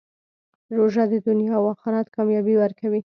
روژه د دنیا او آخرت کامیابي ورکوي.